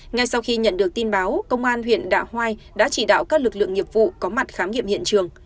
ngay sau khi nhận được tin báo công an huyện đạ hoai đã chỉ đạo các lực lượng nghiệp vụ có mặt khám nghiệm hiện trường